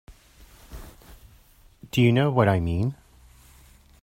Do you know what I mean?